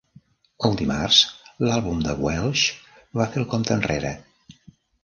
Els dimarts l"àlbum de Welsh va fer el compte enrere.